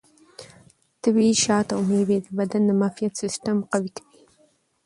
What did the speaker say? طبیعي شات او مېوې د بدن د معافیت سیستم قوي کوي.